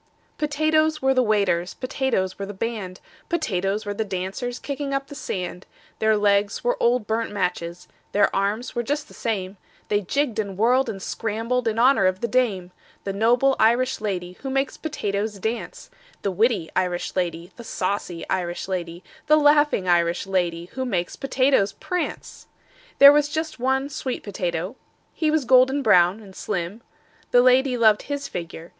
"Potatoes were the waiters, Potatoes were the band, Potatoes were the dancers Kicking up the sand: Their legs were old burnt matches, Their arms were just the same, They jigged and whirled and scrambled In honor of the dame: The noble Irish lady Who makes potatoes dance, The witty Irish lady, The saucy Irish lady, The laughing Irish lady Who makes potatoes prance. "There was just one sweet potato. He was golden brown and slim: The lady loved his figure.